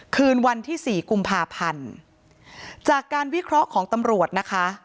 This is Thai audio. คืนวันที่สี่กุมภาพันธ์จากการวิเคราะห์ของตำรวจนะคะ